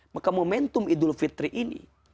maka momentum idul fitri ini